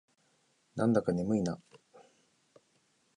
なんだか眠いな。